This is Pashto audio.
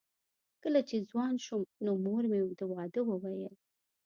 کله چې ځوان شوم نو مور مې د واده وویل